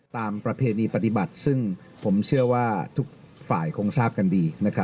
ประเพณีปฏิบัติซึ่งผมเชื่อว่าทุกฝ่ายคงทราบกันดี